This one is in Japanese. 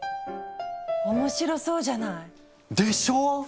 面白そうじゃない。でしょう！